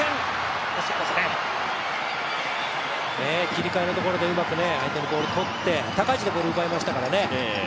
切り替えのところでうまく相手のボールとって、高い位置でボールを奪えましたからね